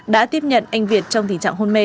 đã tiếp nhận anh việt trong tình trạng hôn mê